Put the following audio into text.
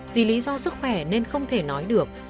vì lý do sức khỏe nên không thể nói được